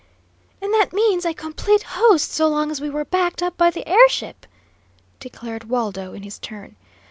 "And that means a complete host so long as we are backed up by the air ship," declared Waldo, in his turn.